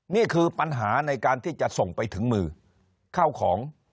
นี่คือปัญหาในการที่จะส่งไปถึงมือเข้าของ